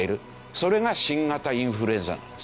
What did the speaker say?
それが新型インフルエンザなんですよ。